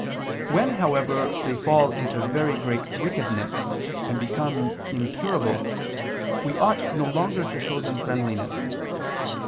When, however, they fall into very great wickedness, and become incurable, we ought no longer to show them friendliness.